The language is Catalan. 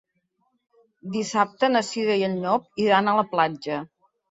Dissabte na Cira i en Llop iran a la platja.